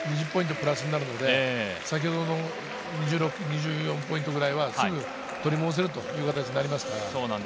プラスになるので、先ほどの２４ポイントくらいはすぐ取り戻せるという形になります。